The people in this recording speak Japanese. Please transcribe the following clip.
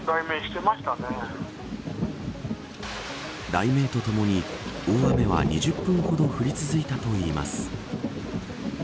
雷鳴とともに大雨は２０分ほど降り続いたといいます。